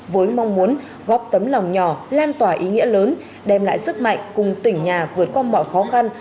với mong muốn góp tấm lòng nhỏ lan tỏa ý nghĩa lớn đem lại sức mạnh cùng tỉnh nhà vượt qua mọi khó khăn